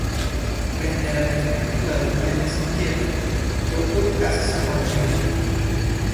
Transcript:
Frente a la perspectiva de un viaje sin Jeff, Toto casi se rompió.